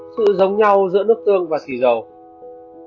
sự giống nhau giữa nước tương và xì dầu